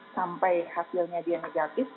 sampai hasilnya dia negatif